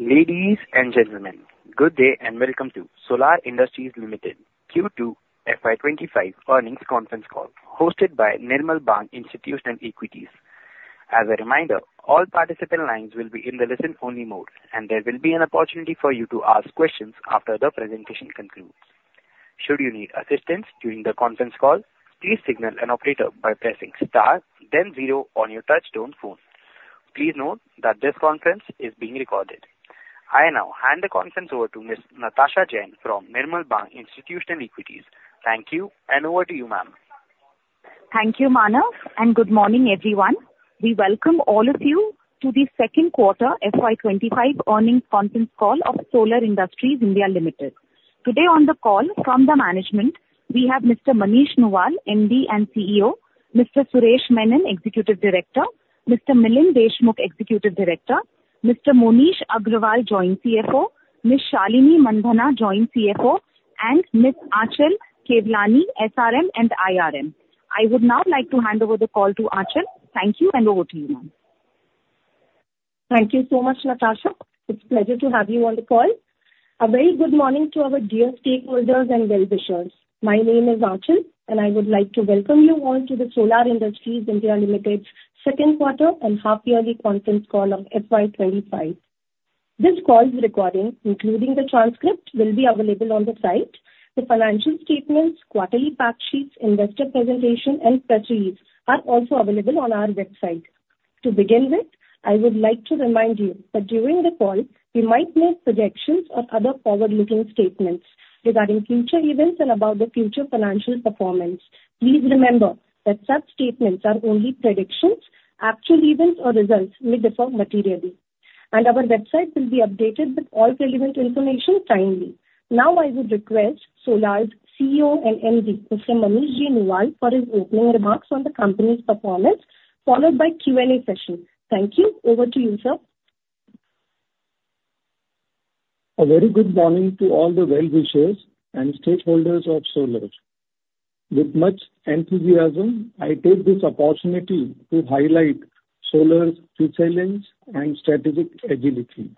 Ladies and gentlemen, good day and welcome to Solar Industries Limited Q2 FY 2025 earnings conference call, hosted by Nirmal Bang Institutional Equities. As a reminder, all participant lines will be in the listen-only mode, and there will be an opportunity for you to ask questions after the presentation concludes. Should you need assistance during the conference call, please signal an operator by pressing star, then zero on your touch-tone phone. Please note that this conference is being recorded. I now hand the conference over to Ms. Natasha Jain from Nirmal Bang Institutional Equities. Thank you, and over to you, ma'am. Thank you, Manav, and good morning, everyone. We welcome all of you to the second quarter FY 2025 earnings conference call of Solar Industries India Limited. Today on the call from the management, we have Mr. Manish Nuwal, MD and CEO, Mr. Suresh Menon, Executive Director, Mr. Milind Deshmukh, Executive Director, Mr. Moneesh Agrawal, Joint CFO, Ms. Shalinee Mandhana, Joint CFO, and Ms. Aanchal Kewlani, SRM and IRM. I would now like to hand over the call to Aanchal. Thank you, and over to you, ma'am. Thank you so much, Natasha. It's a pleasure to have you on the call. A very good morning to our dear stakeholders and well-wishers. My name is Aanchal, and I would like to welcome you all to the Solar Industries India Limited's second quarter and half-yearly conference call of FY 2025. This call's recording, including the transcript, will be available on the site. The financial statements, quarterly fact sheets, investor presentation, and press release are also available on our website. To begin with, I would like to remind you that during the call, we might make projections or other forward-looking statements regarding future events and about the future financial performance. Please remember that such statements are only predictions. Actual events or results may differ materially, and our website will be updated with all relevant information timely. Now, I would request Solar's CEO and MD, Mr. Manish Nuwal for his opening remarks on the company's performance, followed by a Q&A session. Thank you. Over to you, sir. A very good morning to all the well-wishers and stakeholders of Solar. With much enthusiasm, I take this opportunity to highlight Solar's resilience and strategic agility.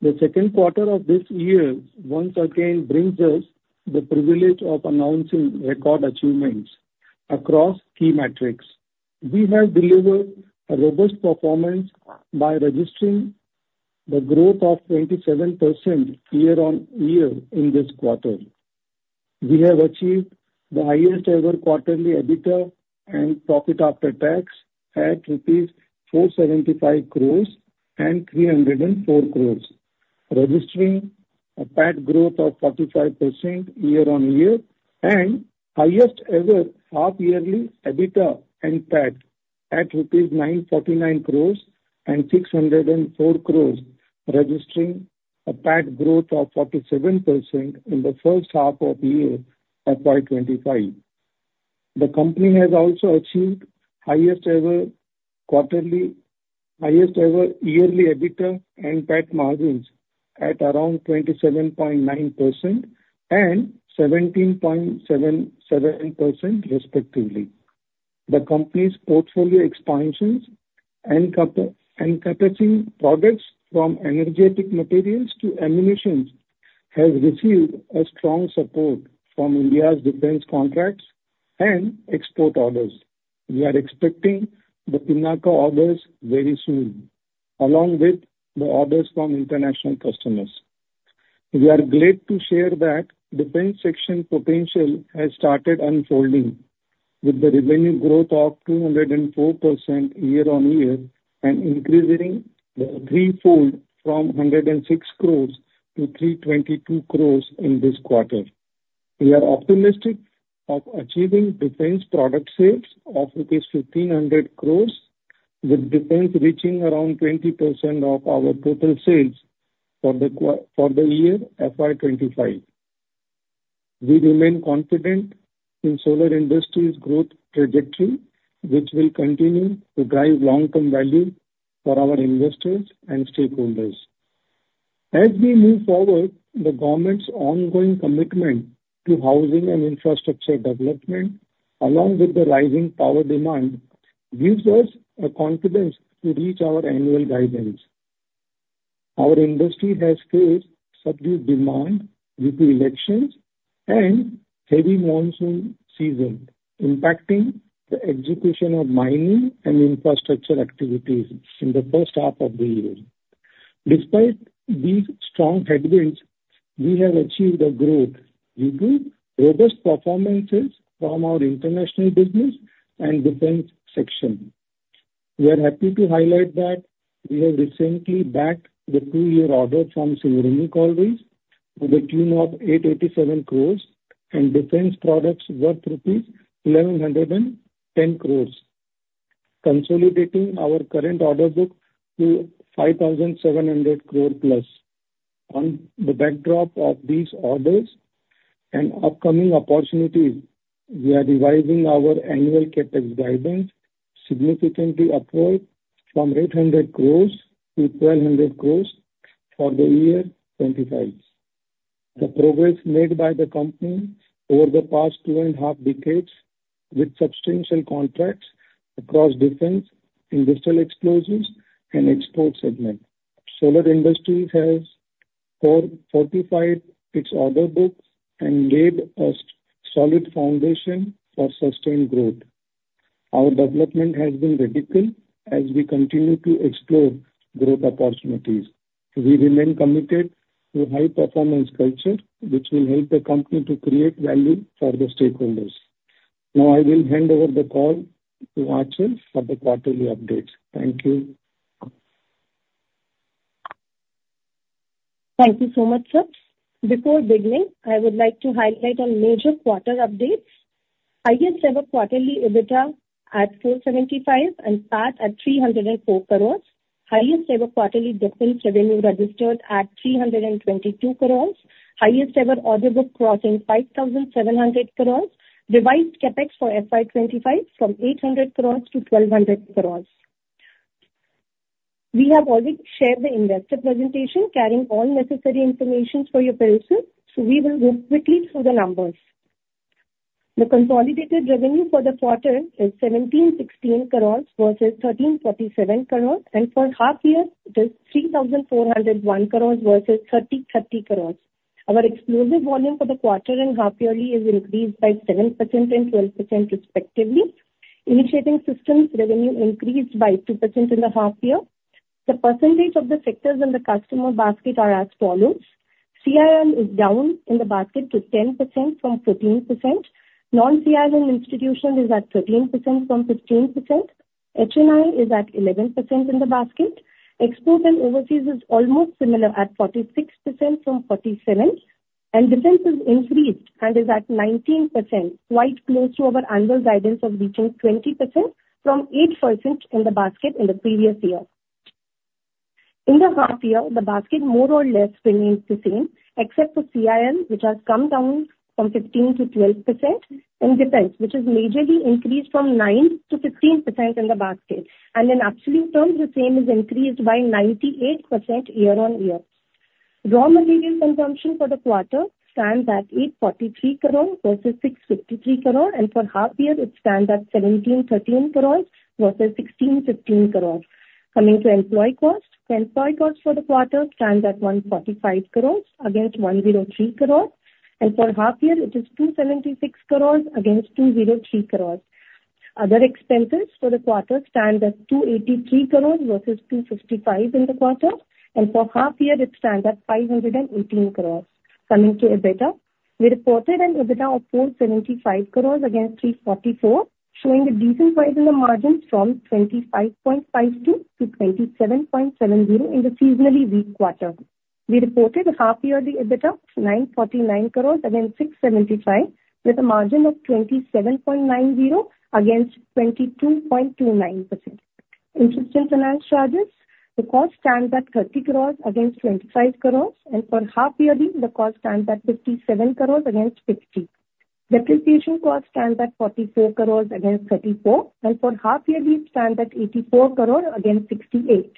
The second quarter of this year once again brings us the privilege of announcing record achievements across key metrics. We have delivered a robust performance by registering the growth of 27% year-on-year in this quarter. We have achieved the highest-ever quarterly EBITDA and profit after tax at rupees 475 crores and 304 crores, registering a PAT growth of 45% year-on-year and highest-ever half-yearly EBITDA and PAT at 949 crores and 604 crores, registering a PAT growth of 47% in the first half of the year of FY 2025. The company has also achieved highest-ever quarterly, highest-ever yearly EBITDA and PAT margins at around 27.9% and 17.77%, respectively. The company's portfolio expansions and encompassing products from energetic materials to ammunition has received strong support from India's defense contracts and export orders. We are expecting the Pinaka orders very soon, along with the orders from international customers. We are glad to share that defense sector potential has started unfolding, with the revenue growth of 204% year-on-year and increasing threefold from ₹106 crores to ₹322 crores in this quarter. We are optimistic of achieving defense product sales of ₹1,500 crores, with defense reaching around 20% of our total sales for the year FY 2025. We remain confident in Solar Industries' growth trajectory, which will continue to drive long-term value for our investors and stakeholders. As we move forward, the government's ongoing commitment to housing and infrastructure development, along with the rising power demand, gives us confidence to reach our annual guidance. Our industry has faced subdued demand due to elections and heavy monsoon season, impacting the execution of mining and infrastructure activities in the first half of the year. Despite these strong headwinds, we have achieved a growth due to robust performances from our international business and defense section. We are happy to highlight that we have recently bagged the two-year order from Singareni Collieries to the tune of 887 crores and defense products worth rupees 1,110 crores, consolidating our current order book to 5,700 crore plus. On the backdrop of these orders and upcoming opportunities, we are revising our annual Capex guidance, significantly upward from 800 crores to 1,200 crores for the year 2025. The progress made by the company over the past two and a half decades with substantial contracts across defense, industrial explosives, and export segment. Solar Industries has fortified its order book and laid a solid foundation for sustained growth. Our development has been radical as we continue to explore growth opportunities. We remain committed to a high-performance culture, which will help the company to create value for the stakeholders. Now, I will hand over the call to Aanchal for the quarterly updates. Thank you. Thank you so much, sir. Before beginning, I would like to highlight our major quarter updates. Highest-ever quarterly EBITDA at 475 crores and PAT at 304 crores. Highest-ever quarterly defense revenue registered at 322 crores. Highest-ever order book crossing 5,700 crores. Revised Capex for FY 2025 from 800 crores to 1,200 crores. We have already shared the investor presentation carrying all necessary information for your purposes, so we will go quickly through the numbers. The consolidated revenue for the quarter is 1,716 crores versus 1,347 crores, and for half-year, it is 3,401 crores versus 3,030 crores. Our explosives volume for the quarter and half-yearly is increased by 7% and 12%, respectively. Initiating systems revenue increased by 2% in the half-year. The percentage of the sectors in the customer basket are as follows. CIL is down in the basket to 10% from 14%. Non-CIL institution is at 13% from 15%. H&I is at 11% in the basket. Export and overseas is almost similar at 46% from 47%. And defense is increased and is at 19%, quite close to our annual guidance of reaching 20% from 8% in the basket in the previous year. In the half-year, the basket more or less remains the same, except for CIL, which has come down from 15% to 12%, and defense, which has majorly increased from 9% to 15% in the basket. And in absolute terms, the same is increased by 98% year-on-year. Raw material consumption for the quarter stands at 843 crores versus 653 crores, and for half-year, it stands at 1,713 crores versus 1,615 crores. Coming to employee cost, the employee cost for the quarter stands at 145 crores against 103 crores, and for half-year, it is 276 crores against 203 crores. Other expenses for the quarter stand at 283 crores versus 255 in the quarter, and for half-year, it stands at 518 crores. Coming to EBITDA, we reported an EBITDA of 475 crores against 344, showing a decent rise in the margin from 25.52% to 27.70% in the seasonally weak quarter. We reported half-yearly EBITDA of INR 949 crores against INR 675, with a margin of 27.90% against 22.29%. Interest and finance charges, the cost stands at 30 crores against 25 crores, and for half-yearly, the cost stands at 57 crores against 50. Depreciation cost stands at 44 crores against 34, and for half-yearly, it stands at 84 crores against 68.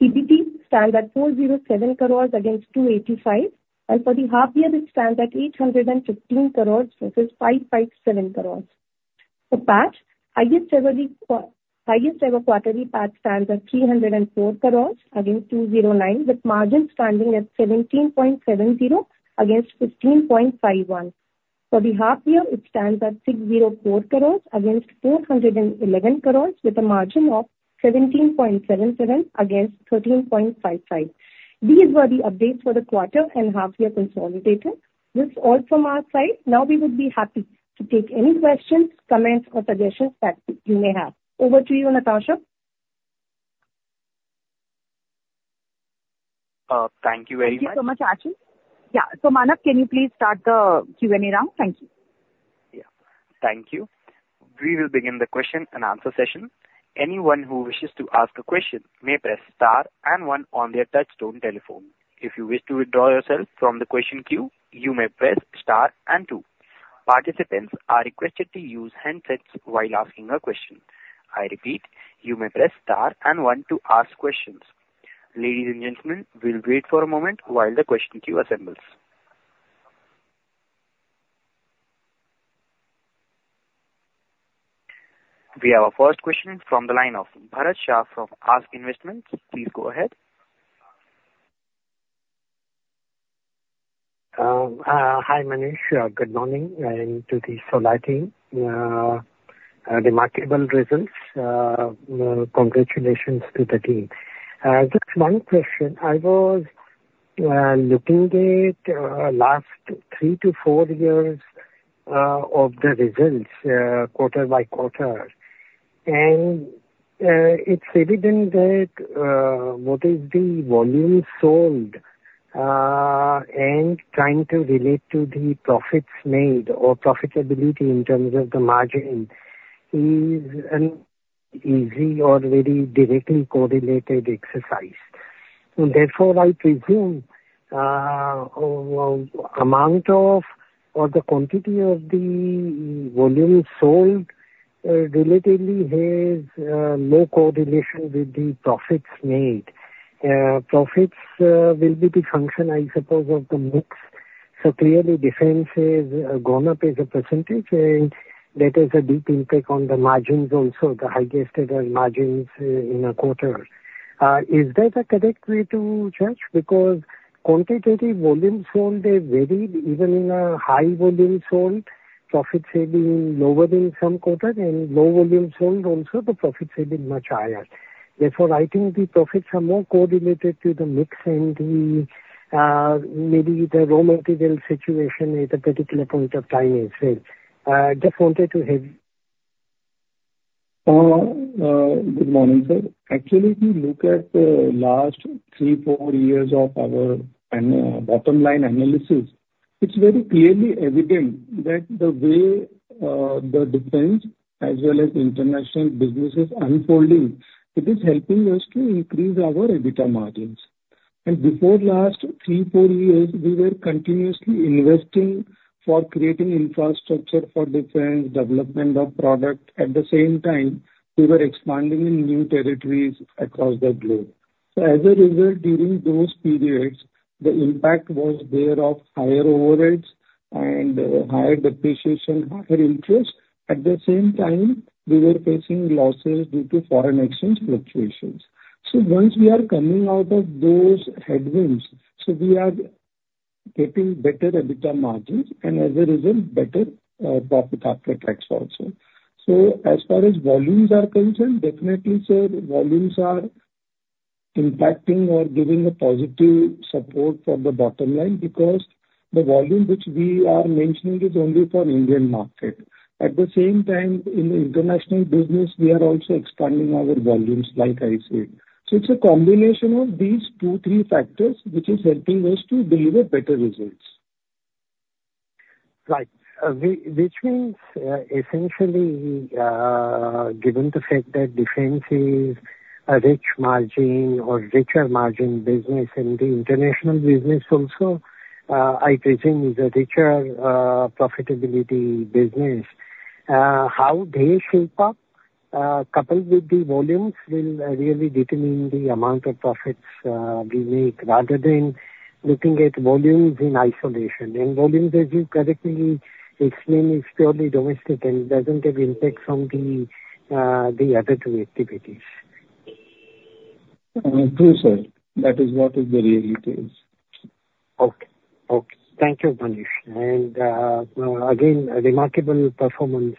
EBITDA stands at 407 crores against 285, and for the half-year, it stands at 815 crores versus 557 crores. For PAT, highest-ever quarterly PAT stands at 304 crores against 209, with margin standing at 17.70% against 15.51%. For the half-year, it stands at 604 crores against 411 crores, with a margin of 17.77 against 13.55. These were the updates for the quarter and half-year consolidated. That's all from our side. Now, we would be happy to take any questions, comments, or suggestions that you may have. Over to you, Natasha. Thank you very much. Thank you so much, Aanchal. Yeah. So Manav, can you please start the Q&A round? Thank you. Yeah. Thank you. We will begin the question and answer session. Anyone who wishes to ask a question may press star and one on their touch-tone telephone. If you wish to withdraw yourself from the question queue, you may press star and two. Participants are requested to use handsets while asking a question. I repeat, you may press star and one to ask questions. Ladies and gentlemen, we'll wait for a moment while the question queue assembles. We have a first question from the line of Bharat Shah from ASK Investment Managers. Please go ahead. Hi, Manish. Good morning. And to the Solar team, remarkable results. Congratulations to the team. Just one question. I was looking at the last three to four years of the results, quarter by quarter, and it's evident that what is the volume sold and trying to relate to the profits made or profitability in terms of the margin is an easy or very directly correlated exercise. Therefore, I presume the amount of or the quantity of the volume sold relatively has more correlation with the profits made. Profits will be the function, I suppose, of the mix. So clearly, defense has gone up as a percentage, and that has a deep impact on the margins also, the highest-ever margins in a quarter. Is that a correct way to judge? Because quantitative volume sold, they varied. Even in a high volume sold, profits have been lower in some quarters, and low volume sold also, the profits have been much higher. Therefore, I think the profits are more correlated to the mix and then maybe the raw material situation at a particular point of time itself. Just wanted to have. Good morning, sir. Actually, if you look at the last three, four years of our bottom-line analysis, it's very clearly evident that the way the defense as well as international business is unfolding, it is helping us to increase our EBITDA margins. And before last three, four years, we were continuously investing for creating infrastructure for defense, development of product. At the same time, we were expanding in new territories across the globe. So as a result, during those periods, the impact was there of higher overheads and higher depreciation, higher interest. At the same time, we were facing losses due to foreign exchange fluctuations. So once we are coming out of those headwinds, we are getting better EBITDA margins and as a result, better profit after tax also. So as far as volumes are concerned, definitely, sir, volumes are impacting or giving a positive support for the bottom line because the volume which we are mentioning is only for Indian market. At the same time, in the international business, we are also expanding our volumes, like I said. So, it's a combination of these two, three factors which is helping us to deliver better results. Right. Which means essentially, given the fact that defense is a rich margin or richer margin business, and the international business also, I presume, is a richer profitability business, how they shape up coupled with the volumes will really determine the amount of profits we make rather than looking at volumes in isolation. And volumes, as you correctly explained, is purely domestic and doesn't have impact from the other two activities. True, sir. That is what the reality is. Okay. Okay. Thank you, Manish. And again, remarkable performance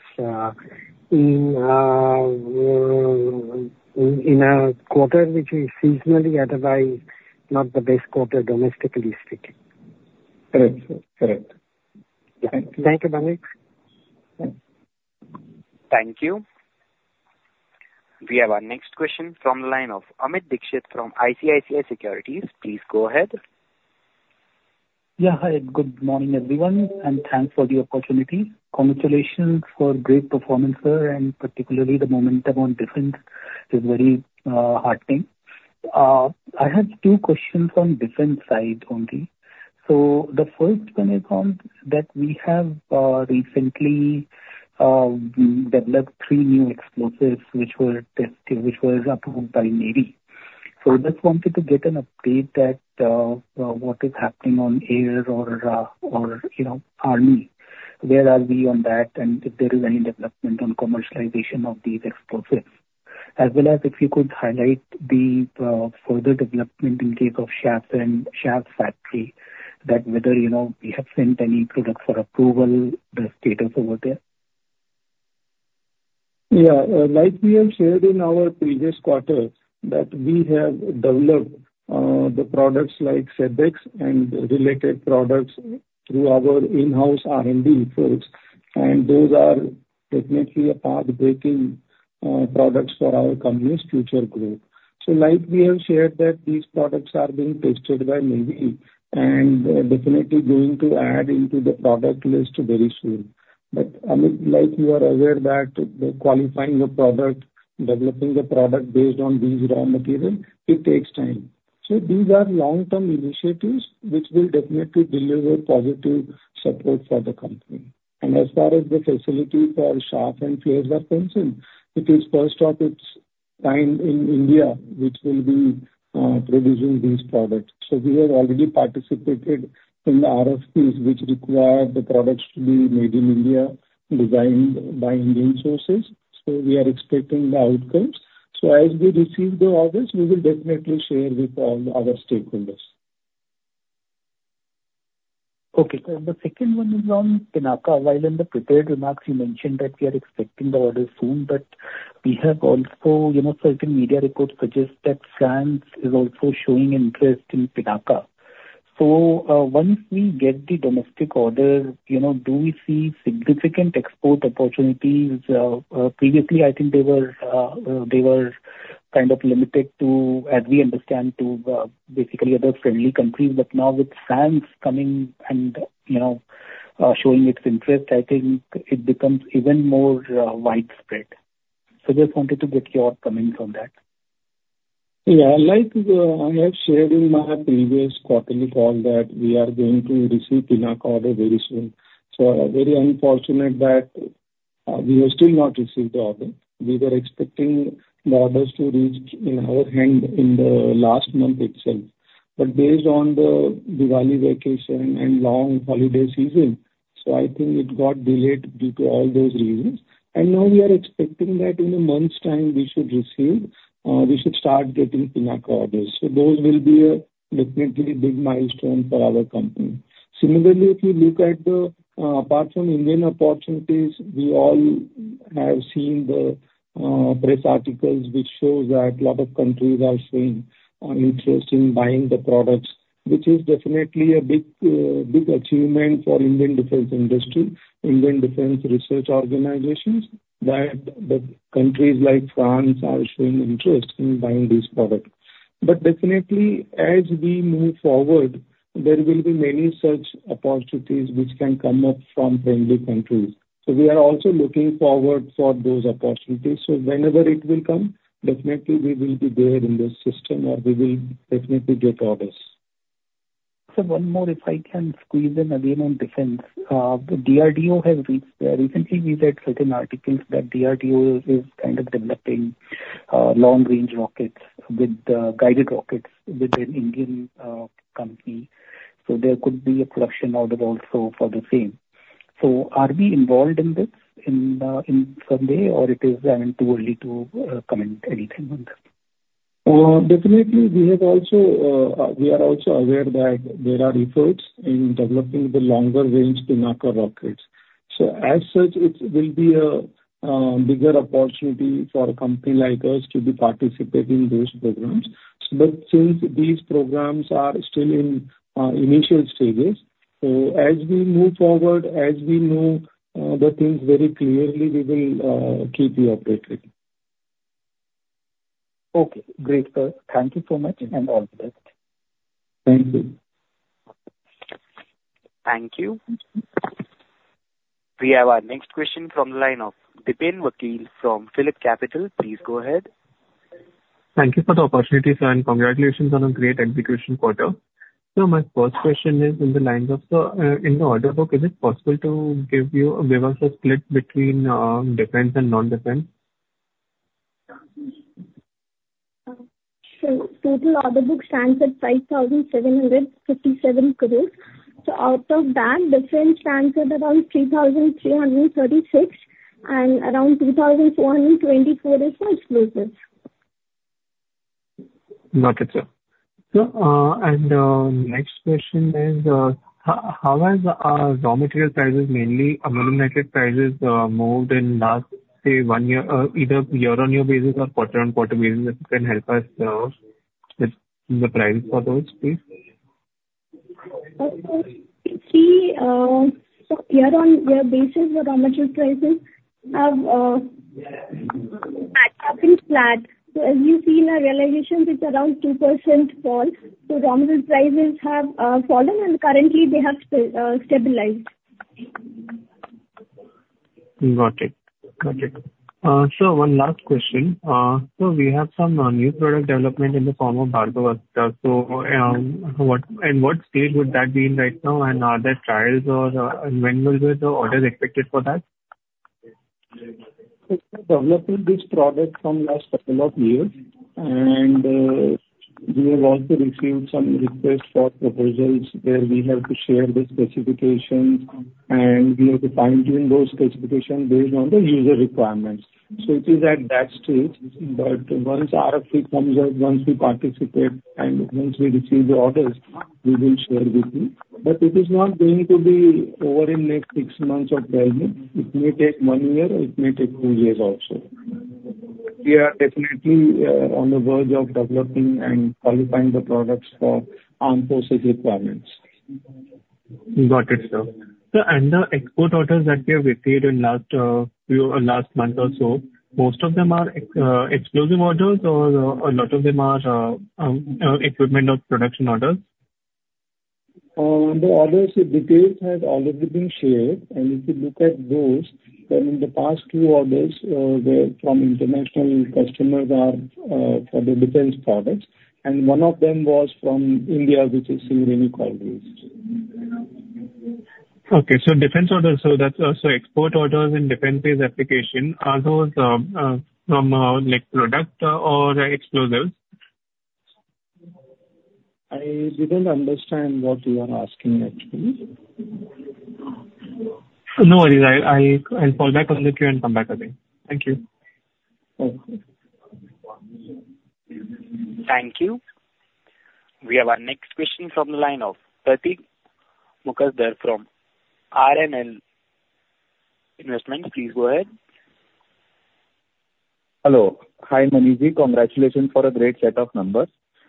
in a quarter which is seasonally, otherwise, not the best quarter domestically speaking. Correct. Correct. Thank you. Thank you, Manish. Thank you. We have our next question from the line of Amit Dixit from ICICI Securities. Please go ahead. Yeah. Hi. Good morning, everyone, and thanks for the opportunity. Congratulations for great performance, sir, and particularly the momentum on defense is very heartening. I have two questions on defense side only. So the first one is on that we have recently developed three new explosives which were approved by Navy. So I just wanted to get an update that what is happening on Air Force or Army. Where are we on that, and if there is any development on commercialization of these explosives? As well as if you could highlight the further development in case of SEBEX and SEBEX factory, that whether we have sent any products for approval, the status over there. Yeah. Like we have shared in our previous quarter that we have developed the products like SEBEX and related products through our in-house R&D folks, and those are definitely pathbreaking products for our company's future growth, so like we have shared that these products are being tested by Navy and definitely going to add into the product list very soon, but Amit, like you are aware that qualifying a product, developing a product based on these raw materials, it takes time, so these are long-term initiatives which will definitely deliver positive support for the company, and as far as the facility for Chaff and SEBEX are concerned, it is first of its kind in India which will be producing these products, so we have already participated in the RFPs which require the products to be made in India, designed by Indian sources, so we are expecting the outcomes. So as we receive the orders, we will definitely share with all our stakeholders. Okay, and the second one is on Pinaka. While in the prepared remarks, you mentioned that we are expecting the orders soon, but we have also certain media reports suggest that France is also showing interest in Pinaka. So once we get the domestic order, do we see significant export opportunities? Previously, I think they were kind of limited to, as we understand, to basically other friendly countries. But now with France coming and showing its interest, I think it becomes even more widespread. So just wanted to get your comments on that. Yeah. Like I have shared in my previous quarterly call that we are going to receive Pinaka orders very soon. So very unfortunate that we have still not received the order. We were expecting the orders to reach in our hand in the last month itself. But based on the Diwali vacation and long holiday season, so I think it got delayed due to all those reasons. And now we are expecting that in a month's time, we should receive, we should start getting Pinaka orders. So those will be a definitely big milestone for our company. Similarly, if you look at the, apart from Indian opportunities, we all have seen the press articles which show that a lot of countries are showing interest in buying the products, which is definitely a big achievement for Indian defense industry, Indian defense research organizations, that the countries like France are showing interest in buying these products. But definitely, as we move forward, there will be many such opportunities which can come up from friendly countries. So we are also looking forward for those opportunities. So whenever it will come, definitely we will be there in the system or we will definitely get orders. So one more, if I can squeeze in again on defense. The DRDO has reached there. Recently, we read certain articles that DRDO is kind of developing long-range rockets with guided rockets with an Indian company. So there could be a production order also for the same. So are we involved in this in some way, or it is too early to comment anything on that? Definitely, we are also aware that there are efforts in developing the longer-range Pinaka rockets. So as such, it will be a bigger opportunity for a company like us to be participating in those programs. But since these programs are still in initial stages, so as we move forward, as we know the things very clearly, we will keep you updated. Okay. Great, sir. Thank you so much and all the best. Thank you. Thank you. We have our next question from the line of Dipen Vakil from PhillipCapital. Please go ahead. Thank you for the opportunity, sir, and congratulations on a great execution quarter. So my first question is in the lines of the order book, is it possible to give you a bit of a split between defense and non-defense? So total order book stands at 5,757 crores. So out of that, defense stands at around 3,336, and around 2,424 is for explosives. Got it, sir. So and next question is, how has raw material prices, mainly aluminum prices, moved in the last, say, one year, either year-on-year basis or quarter-on-quarter basis? If you can help us with the price for those, please. See, so year-on-year basis, the raw material prices have been flat. So as you see in our realizations, it's around 2% fall. So raw material prices have fallen, and currently, they have stabilized. Got it. Got it. So one last question. So we have some new product development in the form of Bharata. So in what stage would that be right now? And are there trials or when will the orders be expected for that? We've been developing this product for the last couple of years, and we have also received some requests for proposals where we have to share the specifications, and we have to fine-tune those specifications based on the user requirements. So it is at that stage. But once RFP comes out, once we participate, and once we receive the orders, we will share with you. But it is not going to be over in the next six months or twelve. It may take one year, or it may take two years also. We are definitely on the verge of developing and qualifying the products for armed forces requirements. Got it, sir. So and the export orders that we have received in the last month or so, most of them are explosive orders, or a lot of them are equipment or production orders? The orders details have already been shared, and if you look at those, then in the past two orders from international customers are for the defense products, and one of them was from India, which is Singareni Collieries. Okay. Defense orders, so that's also export orders and defense-based application. Are those from product or explosives? I didn't understand what you are asking, actually. No worries. I'll fall back on the queue and come back again. Thank you. Thank you. We have our next question from the line of Pratik Mukherjee from R&L Investments. Please go ahead. Hello. Hi, Manish. Congratulations for a great set of numbers,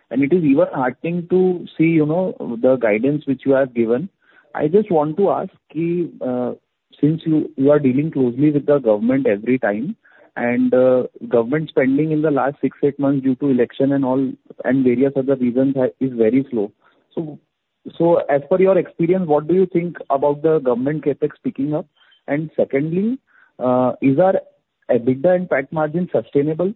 and it is even heartening to see the guidance which you have given. I just want to ask, since you are dealing closely with the government every time, and government spending in the last six, eight months due to election and various other reasons is very slow, so as per your experience, what do you think about the government Capex picking up? And secondly, is our EBITDA and PAT margin sustainable?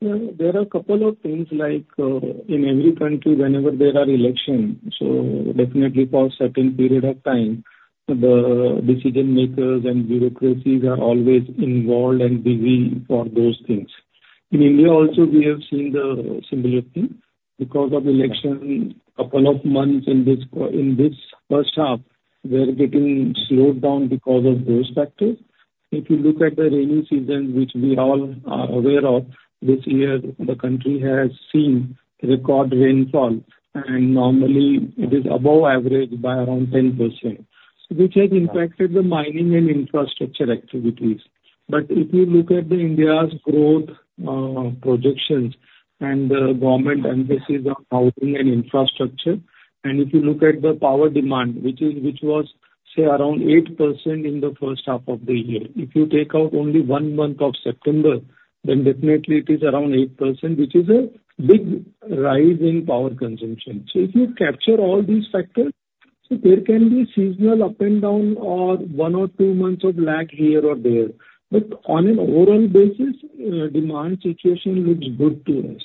There are a couple of things. Like in every country, whenever there are elections, so definitely for a certain period of time, the decision-makers and bureaucracies are always involved and busy for those things. In India also, we have seen the similar thing. Because of elections, a couple of months in this first half, we're getting slowed down because of those factors. If you look at the rainy season, which we all are aware of, this year, the country has seen record rainfall, and normally, it is above average by around 10%, which has impacted the mining and infrastructure activities. But if you look at India's growth projections and the government emphasis on housing and infrastructure, and if you look at the power demand, which was, say, around 8% in the first half of the year, if you take out only one month of September, then definitely it is around 8%, which is a big rise in power consumption. So if you capture all these factors, there can be seasonal up and down or one or two months of lag here or there. But on an overall basis, demand situation looks good to us.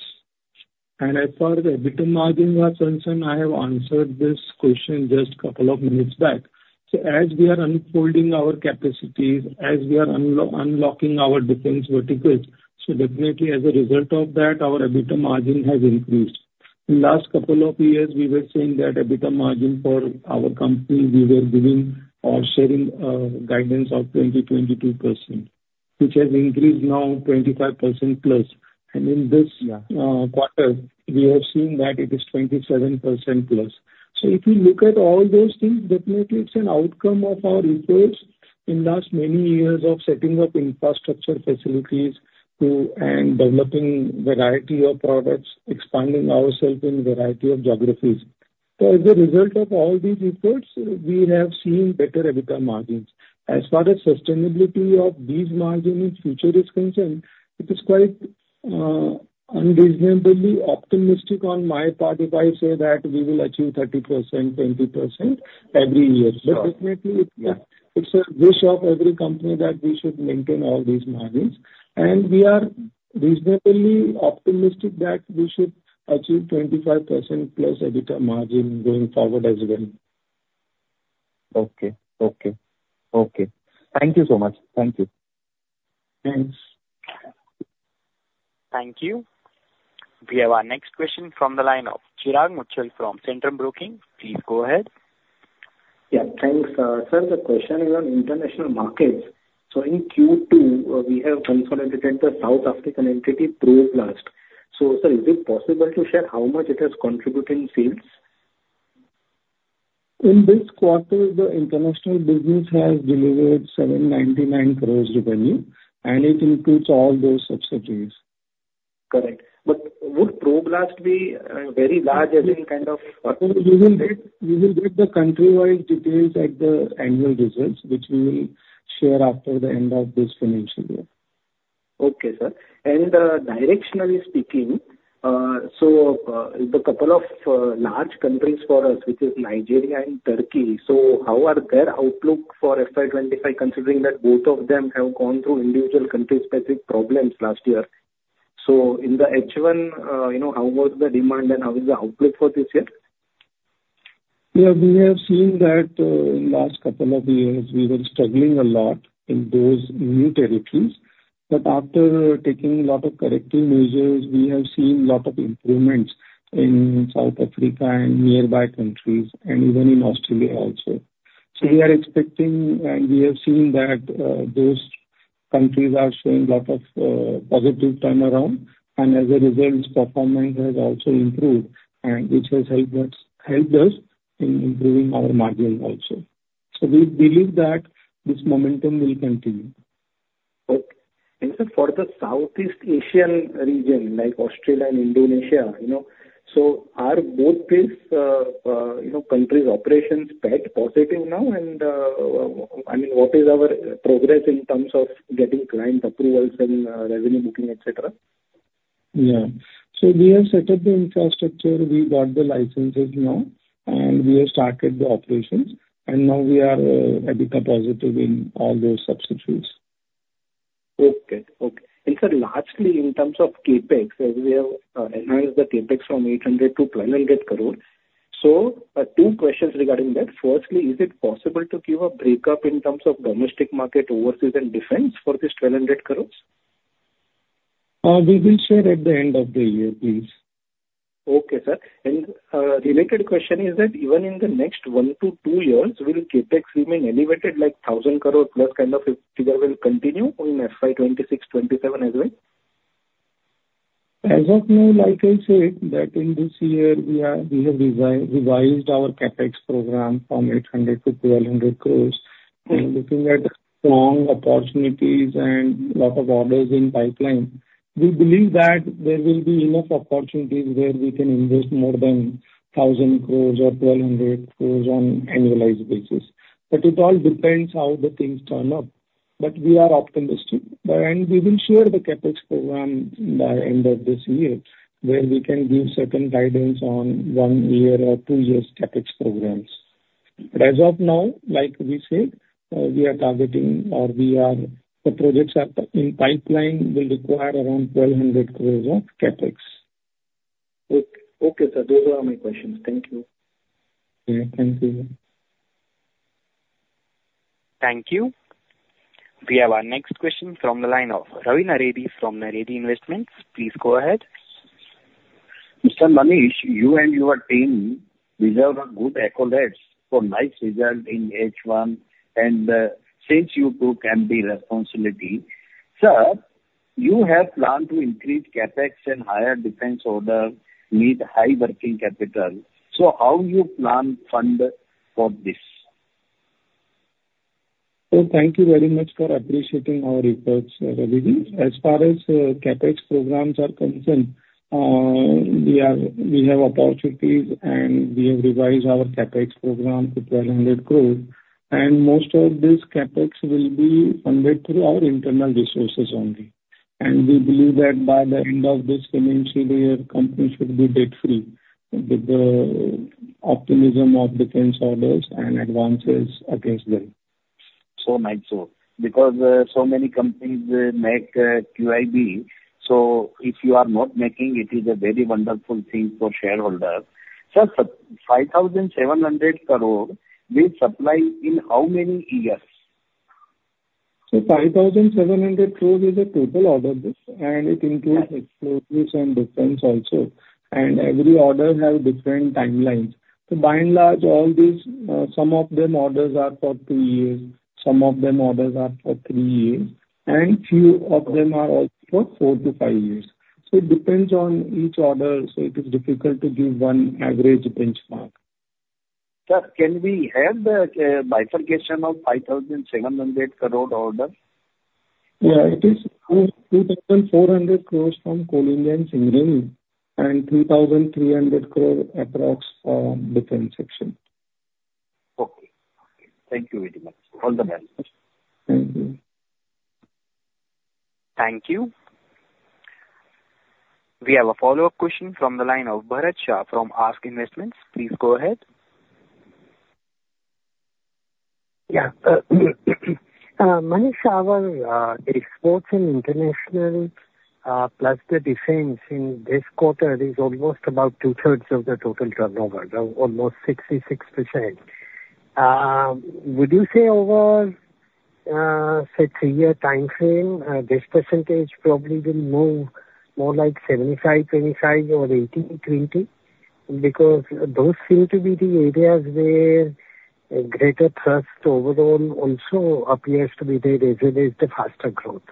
And as far as EBITDA margin was concerned, I have answered this question just a couple of minutes back. So as we are unfolding our capacities, as we are unlocking our defense verticals, so definitely, as a result of that, our EBITDA margin has increased. In the last couple of years, we were seeing that EBITDA margin for our company, we were giving or sharing guidance of 20%-22%, which has increased now 25% plus. And in this quarter, we have seen that it is 27% plus. So if you look at all those things, definitely, it's an outcome of our efforts in the last many years of setting up infrastructure facilities and developing a variety of products, expanding ourselves in a variety of geographies. So as a result of all these efforts, we have seen better EBITDA margins. As far as sustainability of these margins in future is concerned, it is quite unreasonably optimistic on my part if I say that we will achieve 30%, 20% every year. But definitely, it's a wish of every company that we should maintain all these margins. We are reasonably optimistic that we should achieve 25% plus EBITDA margin going forward as well. Okay. Okay. Okay. Thank you so much. Thank you. Thanks. Thank you. We have our next question from the line of Chirag Muchhal from Centrum Broking. Please go ahead. Yeah. Thanks, sir. The question is on international markets. So in Q2, we have consolidated the South African entity Problast. So sir, is it possible to share how much it has contributed in sales? In this quarter, the international business has delivered 799 crores revenue, and it includes all those subsidiaries. Correct. But would Problast be very large as in kind of? We will get the country-wide details at the annual results, which we will share after the end of this financial year. Okay, sir. Directionally speaking, so the couple of large countries for us, which is Nigeria and Turkey, so how is their outlook for FY 2025, considering that both of them have gone through individual country-specific problems last year? In the H1, how was the demand, and how is the outlook for this year? Yeah. We have seen that in the last couple of years, we were struggling a lot in those new territories. But after taking a lot of corrective measures, we have seen a lot of improvements in South Africa and nearby countries, and even in Australia also. So we are expecting, and we have seen that those countries are showing a lot of positive turnaround. And as a result, performance has also improved, which has helped us in improving our margins also. So we believe that this momentum will continue. Okay. And sir, for the Southeast Asian region, like Australia and Indonesia, so are both these countries' operations positive now? And I mean, what is our progress in terms of getting client approvals and revenue booking, etc.? Yeah. We have set up the infrastructure. We got the licenses now, and we have started the operations, and now we are EBITDA positive in all those subsidiaries. And sir, lastly, in terms of Capex, we have enhanced the Capex from INR 800-1,200 crores. So two questions regarding that. Firstly, is it possible to give a breakup in terms of domestic market, overseas, and defense for this 1,200 crores? We will share at the end of the year, please. Okay, sir. And related question is that even in the next one to two years, will Capex remain elevated like 1,000 crores plus kind of figure will continue in FY 2026, FY 2027 as well? As of now, like I said, that in this year, we have revised our CapEx program from 800 to 1,200 crores. And looking at strong opportunities and a lot of orders in pipeline, we believe that there will be enough opportunities where we can invest more than 1,000 crores or 1,200 crores on annualized basis. But it all depends how the things turn up. But we are optimistic. And we will share the CapEx program by the end of this year, where we can give certain guidance on one-year or two-year CapEx programs. But as of now, like we said, we are targeting, or the projects in pipeline will require around 1,200 crores of CapEx. Okay. Okay, sir. Those are my questions. Thank you. Okay. Thank you. Thank you. We have our next question from the line of Ravi Naredi from Naredi Investments. Please go ahead. Mr. Manish, you and your team deserve a good accolades for nice results in H1, and since you took MD responsibility, sir, you have planned to increase Capex and higher defense orders, meet high working capital. So how do you plan fund for this? Thank you very much for appreciating our efforts, Ravi. As far as CapEx programs are concerned, we have opportunities, and we have revised our CapEx program to 1,200 crores. Most of this CapEx will be funded through our internal resources only. We believe that by the end of this financial year, companies should be debt-free with the optimism of defense orders and advances against them. So nice, sir. Because so many companies make QIB, so if you are not making, it is a very wonderful thing for shareholders. Sir, 5,700 crores will supply in how many years? 5,700 crores is a total order list, and it includes explosives and defense also. Every order has different timelines. By and large, all these, some of them orders are for two years, some of them orders are for three years, and few of them are also for four to five years. It depends on each order, so it is difficult to give one average benchmark. Sir, can we have the bifurcation of 5,700 crores order? Yeah. It is 2,400 crores from Coal India and Singareni, and 2,300 crores approx from defense section. Okay. Okay. Thank you very much. All the best. Thank you. Thank you. We have a follow-up question from the line of Bharat Shah from ASK Investment Managers. Please go ahead. Yeah. Manish, our exports in international plus the defense in this quarter is almost about two-thirds of the total turnover, almost 66%. Would you say over, say, three-year timeframe, this percentage probably will move more like 75%-25% or 80%-20%? Because those seem to be the areas where greater trust overall also appears to be there as it is the faster growth.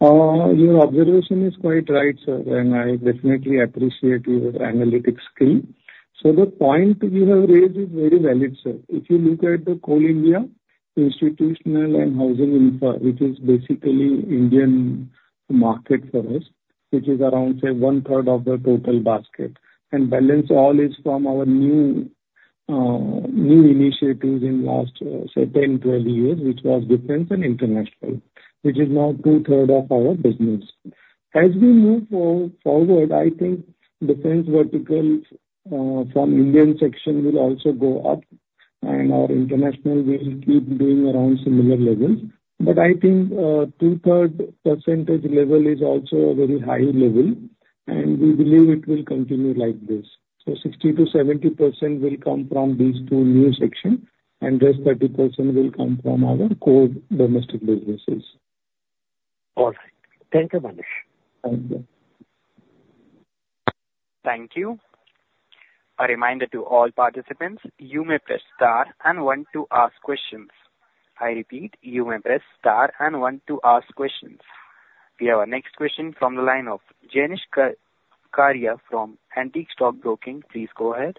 Your observation is quite right, sir, and I definitely appreciate your analytic skill. So the point you have raised is very valid, sir. If you look at the core Indian institutional and housing infra, which is basically Indian market for us, which is around, say, one-third of the total basket, and balance all is from our new initiatives in the last, say, 10, 12 years, which was defense and international, which is now two-thirds of our business. As we move forward, I think defense verticals from Indian section will also go up, and our international will keep doing around similar levels, but I think two-thirds percentage level is also a very high level, and we believe it will continue like this, so 60%-70% will come from these two new sections, and the rest 30% will come from our core domestic businesses. All right. Thank you, Manav. Thank you. Thank you. A reminder to all participants, you may press star and one to ask questions. I repeat, you may press star and one to ask questions. We have our next question from the line of Janesh Kariya from Antique Stock Broking. Please go ahead.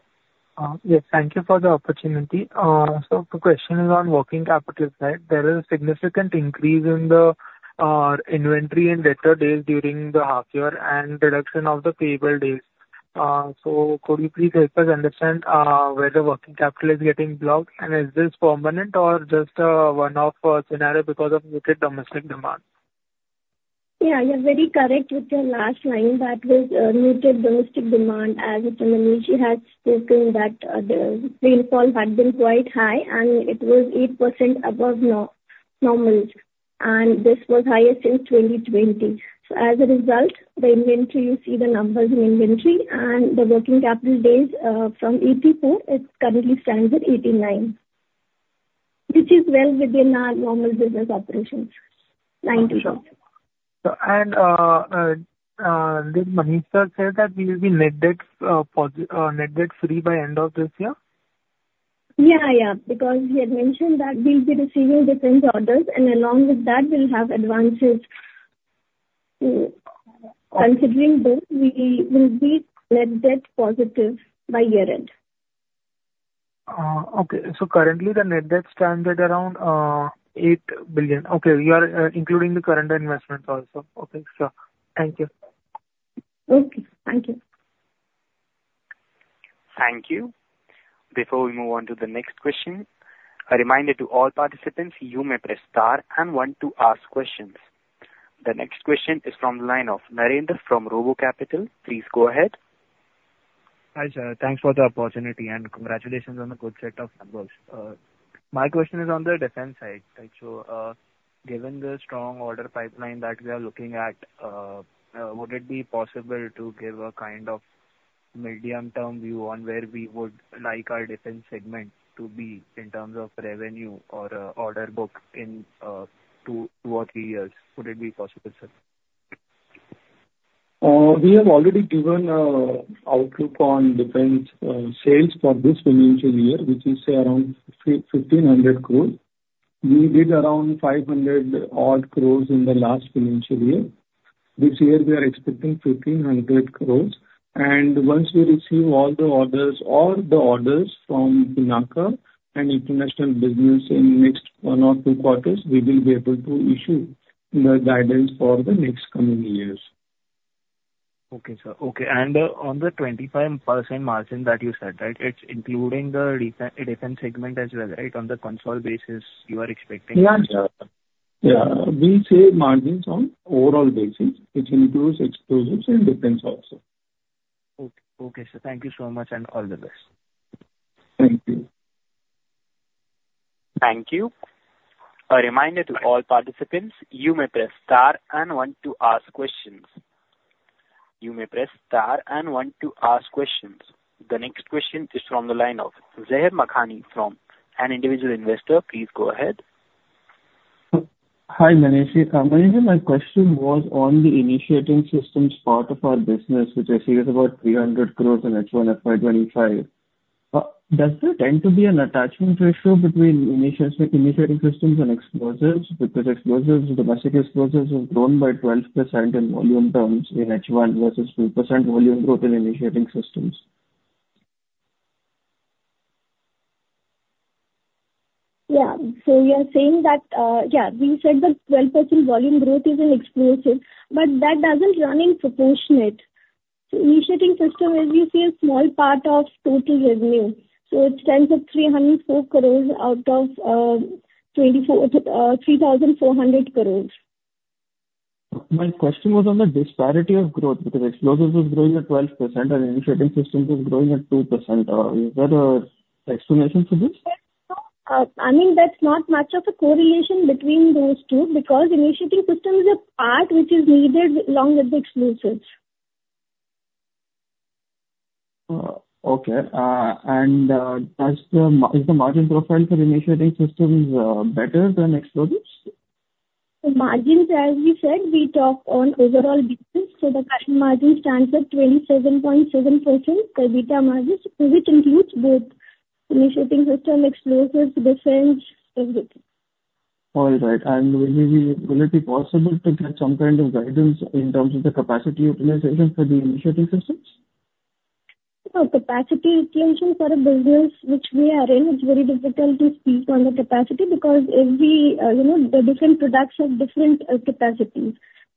Yes. Thank you for the opportunity. So the question is on working capital side. There is a significant increase in the inventory and debtor days during the half-year and reduction of the payable days. So could you please help us understand whether working capital is getting blocked, and is this permanent or just one-off scenario because of muted domestic demand? Yeah. You're very correct with your last line that was muted domestic demand, as Manish has spoken that the rainfall had been quite high, and it was 8% above normal. And this was highest since 2020. So as a result, the inventory, you see the numbers in inventory, and the working capital days from 84, it currently stands at 89, which is well within our normal business operations. Thank you, sir. Did Manish sir say that we will be net debt free by end of this year? Yeah. Yeah. Because he had mentioned that we'll be receiving defense orders, and along with that, we'll have advances. Considering those, we will be net debt positive by year-end. Okay. So currently, the net debt stands at around 8 billion. Okay. You are including the current investments also. Okay. Sure. Thank you. Okay. Thank you. Thank you. Before we move on to the next question, a reminder to all participants, you may press star and one to ask questions. The next question is from the line of Narendra from Robo Capital. Please go ahead. Hi, sir. Thanks for the opportunity, and congratulations on a good set of numbers. My question is on the defense side. So given the strong order pipeline that we are looking at, would it be possible to give a kind of medium-term view on where we would like our defense segment to be in terms of revenue or order book in two or three years? Would it be possible, sir? We have already given outlook on defense sales for this financial year, which is around 1,500 crores. We did around 500 odd crores in the last financial year. This year, we are expecting 1,500 crores, and once we receive all the orders from Pinaka and international business in the next one or two quarters, we will be able to issue the guidance for the next coming years. Okay, sir. Okay. And on the 25% margin that you said, right, it's including the defense segment as well, right, on the consolidated basis you are expecting? We see margins on overall basis. It includes explosives and defense also. Okay. Okay, sir. Thank you so much, and all the best. Thank you. Thank you. A reminder to all participants, you may press star and one to ask questions. You may press star and one to ask questions. The next question is from the line of Zahir Makhani from an individual investor. Please go ahead. Hi, Manish. My question was on the initiating systems part of our business, which I see is about 300 crores in H1 FY 2025. Does there tend to be an attachment ratio between initiating systems and explosives? Because domestic explosives have grown by 12% in volume terms in H1 versus 2% volume growth in initiating systems. Yeah. So we are saying that, yeah, we said that 12% volume growth is an exposure, but that doesn't run in proportionate. So initiating system is, you see, a small part of total revenue. So it stands at 304 crores out of 3,400 crores. My question was on the disparity of growth because explosives was growing at 12% and initiating systems was growing at 2%. Is there an explanation for this? I mean, that's not much of a correlation between those two because initiating system is a part which is needed along with the explosives. Okay, and is the margin profile for initiating systems better than explosives? The margins, as you said, we talk on overall basis. So the current margin stands at 27.7% EBITDA margins, which includes both initiating system, explosives, defense. All right. And will it be possible to get some kind of guidance in terms of the capacity utilization for the initiating systems? Capacity utilization for a business which we are in, it's very difficult to speak on the capacity because the different products have different capacities,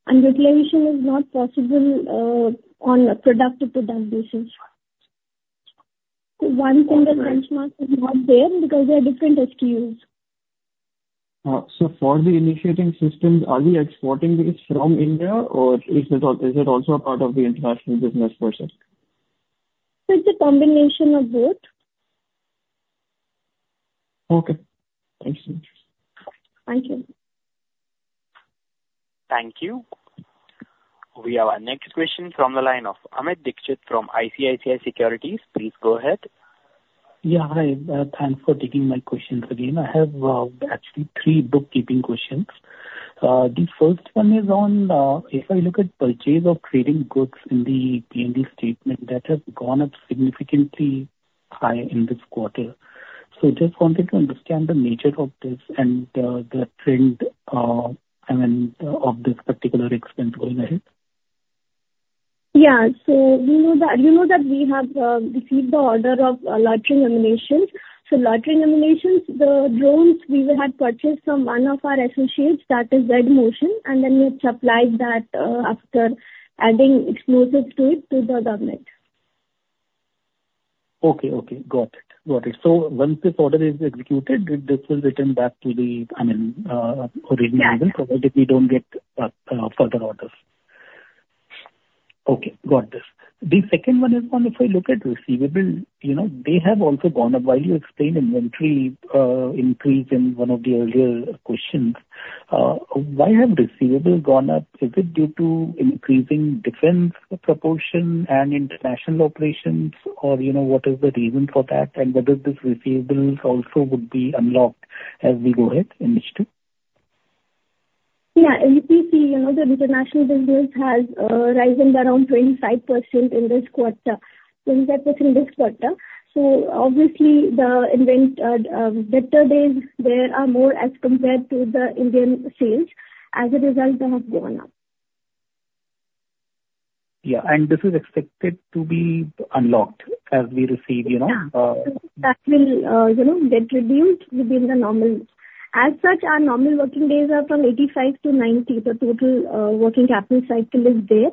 and utilization is not possible on a product-to-product basis, so one single benchmark is not there because there are different SKUs. So for the initiating systems, are we exporting these from India, or is it also a part of the international business process? So it's a combination of both. Okay. Thanks. Thank you. Thank you. We have our next question from the line of Amit Dixit from ICICI Securities. Please go ahead. Yeah. Hi. Thanks for taking my questions again. I have actually three bookkeeping questions. The first one is on, if I look at purchase of trading goods in the P&L statement that have gone up significantly high in this quarter. So just wanted to understand the nature of this and the trend of this particular expense going ahead. Yeah. So you know that we have received the order of loitering munitions. So loitering munitions, the drones we had purchased from one of our associates, that is Z-Motion, and then we have supplied that after adding explosives to it to the government. Okay. Got it. So once this order is executed, this will return back to the, I mean, original level provided we don't get further orders. Okay. Got this. The second one is on if I look at receivables, they have also gone up. While you explained inventory increase in one of the earlier questions, why have receivables gone up? Is it due to increasing defense proportion and international operations, or what is the reason for that, and whether these receivables also would be unlocked as we go ahead in this too? Yeah. As you can see, the international business has risen around 25% in this quarter, 25% this quarter. So obviously, the debtor days, there are more as compared to the Indian sales. As a result, they have gone up. Yeah, and this is expected to be unlocked as we receive. Yeah. That will get reduced within the normal. As such, our normal working days are from 85-90. The total working capital cycle is there.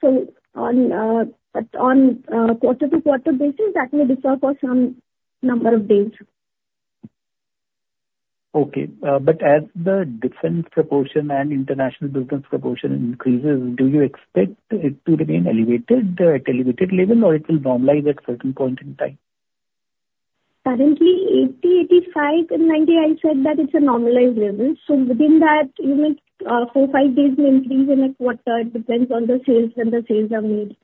So on quarter-to-quarter basis, that may defer for some number of days. Okay. But as the defense proportion and international business proportion increases, do you expect it to remain elevated at elevated level, or it will normalize at a certain point in time? Currently, 80, 85, and 90. I said that it's a normalized level. So within that, you make four, five days may increase in a quarter. It depends on the sales when the sales are made.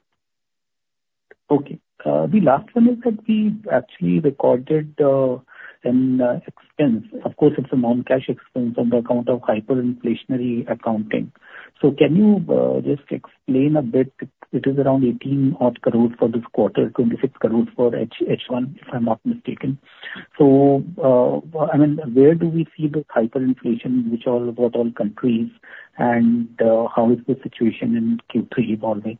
Okay. The last one is that we actually recorded an expense. Of course, it's a non-cash expense on account of hyperinflationary accounting. So can you just explain a bit? It is around 18 odd crores for this quarter, 26 crores for H1, if I'm not mistaken. So I mean, where do we see the hyperinflation? What all countries and how is the situation in Q3 evolving?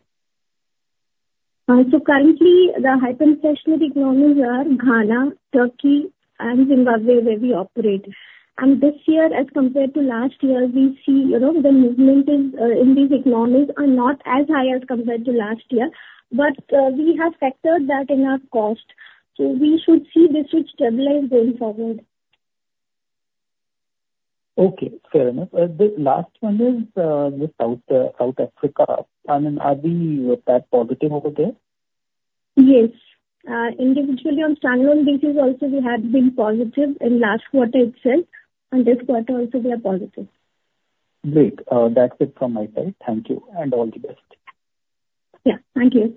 So currently, the hyperinflationary economies are Ghana, Turkey, and Zimbabwe where we operate. And this year, as compared to last year, we see the movement in these economies are not as high as compared to last year, but we have factored that in our cost. So we should see this which stabilize going forward. Okay. Fair enough. The last one is South Africa. I mean, are we that positive over there? Yes. Individually on standalone basis, also we had been positive in last quarter itself, and this quarter also we are positive. Great. That's it from my side. Thank you, and all the best. Yeah. Thank you.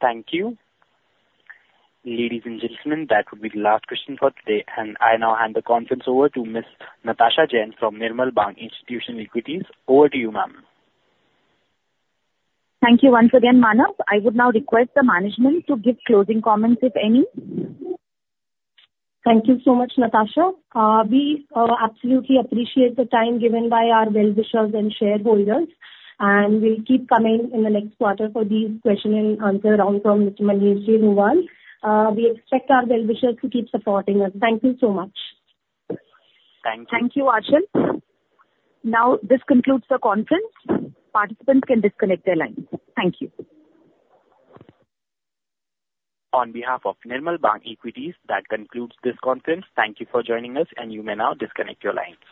Thank you. Ladies and gentlemen, that would be the last question for today. And I now hand the conference over to Ms. Natasha Jain from Nirmal Bang Institutional Equities. Over to you, ma'am. Thank you once again, Manav. I would now request the management to give closing comments if any. Thank you so much, Natasha. We absolutely appreciate the time given by our well-wishers and shareholders, and we'll keep coming in the next quarter for these question and answer rounds from Mr. Manish Nuwal. We expect our well-wishers to keep supporting us. Thank you so much. Thank you. Thank you, Aanchal. Now, this concludes the conference. Participants can disconnect their lines. Thank you. On behalf of Nirmal Bang Equities, that concludes this conference. Thank you for joining us, and you may now disconnect your lines.